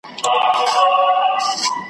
د پیر زیارت ته خیراتونه راځي `